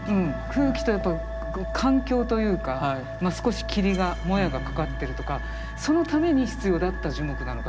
空気とやっぱ環境というか少し霧がもやがかかってるとかそのために必要だった樹木なのかなという絵だと思ってるんですね。